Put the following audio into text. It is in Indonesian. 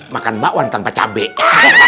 makan bakwan tanpa cabai